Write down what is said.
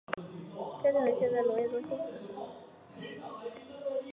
现该城为一个农业中心。